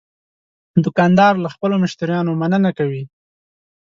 دوکاندار له خپلو مشتریانو مننه کوي.